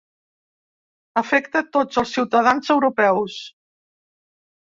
Afecta tots els ciutadans europeus.